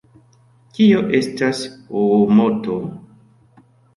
Kio estas Oomoto?